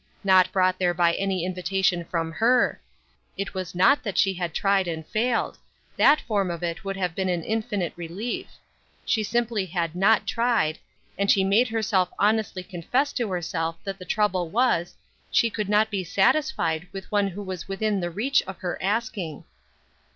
not brought there by any invitation from her; it was not that she had tried and failed; that form of it would have been an infinite relief; she simply had not tried, and she made herself honestly confess to herself that the trouble was, she could not be satisfied with one who was within the reach of her asking.